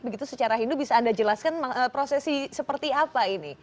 begitu secara hindu bisa anda jelaskan prosesi seperti apa ini